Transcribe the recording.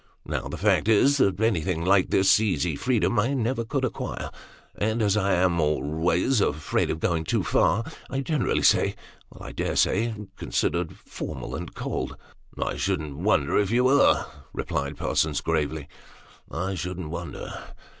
Now, the fact is, that anything like this easy freedom I never could acquire ; and as I am always afraid of going too far, I am generally, I dare say, con sidered formal and cold." " I shouldn't wonder if you were," replied Parsons, gravely ;" I shouldn't wonder.